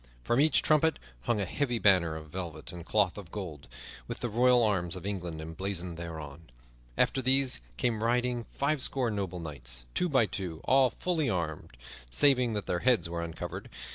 From each trumpet hung a heavy banner of velvet and cloth of gold, with the royal arms of England emblazoned thereon. After these came riding fivescore noble knights, two by two, all fully armed, saving that their heads were uncovered.